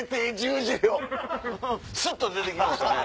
スッと出て来ましたね。